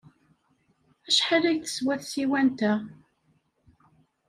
Acḥal ay teswa tsiwant-a?